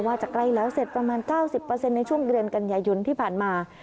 จะใกล้แล้วเสร็จประมาณ๙๐ในช่วงเดือนกันยายนที่ผ่านมา